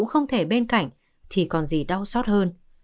nếu không có bất kỳ bất cả những cảnh thì còn gì đau xót hơn